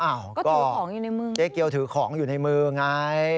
อะก็เจเกียลถือของอยู่ในมือไง